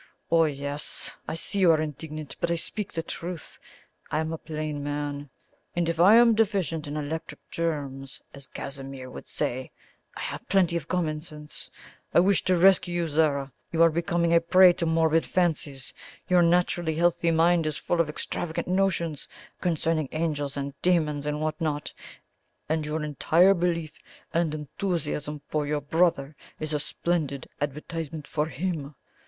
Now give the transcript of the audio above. Oh, yes; I see you are indignant, but I speak truth. I am a plain man; and if I am deficient in electric germs, as Casimir would say, I have plenty of common sense. I wish to rescue you, Zara. You are becoming a prey to morbid fancies; your naturally healthy mind is full of extravagant notions concerning angels and demons and what not; and your entire belief in, and enthusiasm for, your brother is a splendid advertisement for him.